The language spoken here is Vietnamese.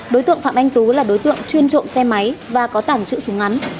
đối tượng phạm anh tú là đối tượng chuyên trộm xe máy và có tảng chữ súng ngắn